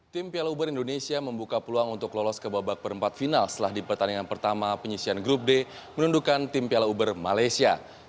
tim piala uber indonesia membuka peluang untuk lolos ke babak perempat final setelah di pertandingan pertama penyisian grup d menundukan tim piala uber malaysia